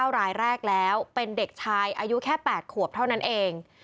รายแรกแล้วเป็นเด็กชายอายุแค่๘ขวบเท่านั้นเอง